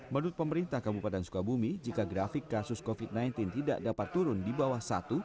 menurut pemerintah kabupaten sukabumi jika grafik kasus covid sembilan belas tidak dapat turun di bawah satu